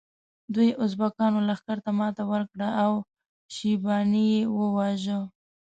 دوی ازبکانو لښکر ته ماته ورکړه او شیباني یې وواژه.